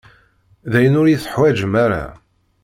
Dayen, ur yi-teḥwaǧem ara.